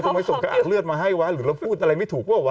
ทำไมส่งอักเลือดมาให้วะหรือเราพูดอะไรไม่ถูกแล้ววะ